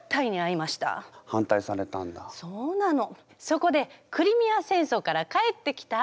そこでクリミア戦争から帰ってきた